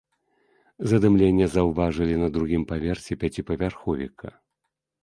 Задымленне заўважылі на другім паверсе пяціпавярховіка.